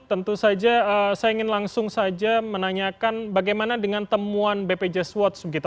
tentu saja saya ingin langsung saja menanyakan bagaimana dengan temuan bpjs watch